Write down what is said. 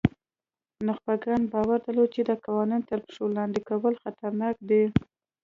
نخبګانو باور درلود چې د قانون تر پښو لاندې کول خطرناک دي.